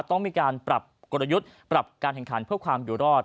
ต้องมีการปรับกลยุทธ์ปรับการแข่งขันเพื่อความอยู่รอด